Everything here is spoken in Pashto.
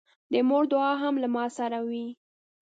د مور دعا هم له ما سره وي.